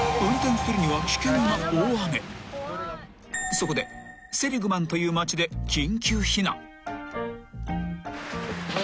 ［そこでセリグマンという街で緊急避難］